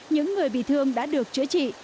những người bị thương đã được chữa trị